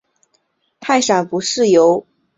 氦闪不是由表面辐射的电磁波直接观测到的。